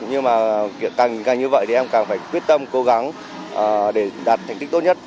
nhưng mà càng như vậy em càng phải quyết tâm cố gắng để đạt thành tích tốt nhất